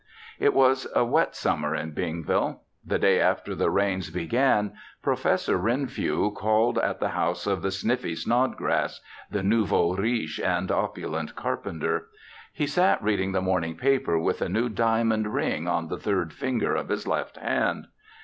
It was a wet summer in Bingville. The day after the rains began, Professor Renfrew called at the house of the sniffy Snodgrass the nouveau riche and opulent carpenter. He sat reading the morning paper with a new diamond ring on the third finger of his left hand.